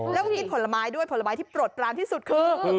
แล้วก็กินผลไม้ด้วยผลไม้ที่ปลดปรานที่สุดคือ